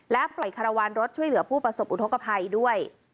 และปล่อยคารวาลรถช่วยเหลือผู้ประสบอุทธกภัยด้วย